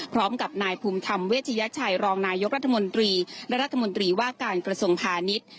พร้อมกับนายภูมิธรรมเวชยชัยรองนายกรัฐมนตรีและรัฐมนตรีว่าการกระทรวงพาณิชย์